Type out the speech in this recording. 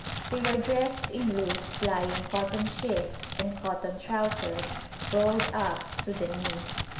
They were dressed in loose flying cotton shifts and cotton trousers, rolled up to the knee.